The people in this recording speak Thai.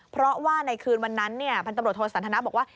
เพราะว่าในคืนวันนั้นพันตำรวจโทสันทนาบอกว่า